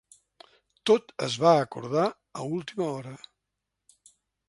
Tot es va acordar a última hora.